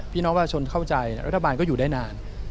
พี่น้องประชาชนเข้าใจรัฐบาลก็อยู่ได้นาน